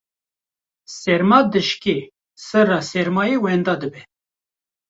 serma dişkê, sirra sermayê wenda dibe